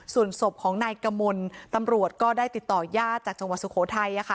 ส่วนศพของนายกมลตำรวจก็ได้ติดต่อยาดจากจังหวัดสุโขทัย